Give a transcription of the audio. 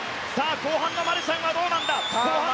後半マルシャンはどうなんだ。